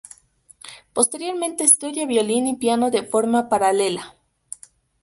Posteriormente estudia violín y piano de forma paralela.